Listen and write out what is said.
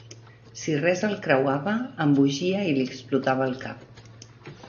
Si res el creuava, embogia i li explotava el cap.